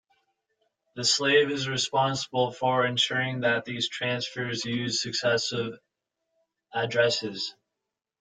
The slave is responsible for ensuring that these transfers use successive addresses.